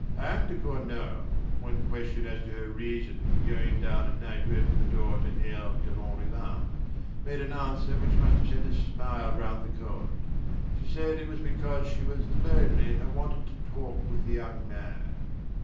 Anne de Cornault, when questioned as to her reason for going down at night to open the door to Herve de Lanrivain, made an answer which must have sent a smile around the court. She said it was because she was lonely and wanted to talk with the young man.